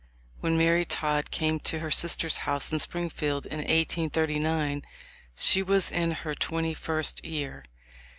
When Mary Todd came to her sister's house in Springfield in 1839, she was in her twenty first year.